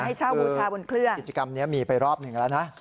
ให้เช่าบูชาบนเครื่องกิจกรรมนี้มีไปรอบหนึ่งแล้วนะ